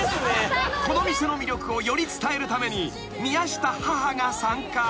［この店の魅力をより伝えるために宮下母が参加］